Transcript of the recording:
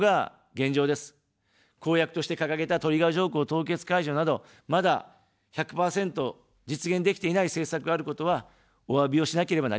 公約として掲げたトリガー条項凍結解除など、まだ１００％実現できていない政策があることは、おわびをしなければなりません。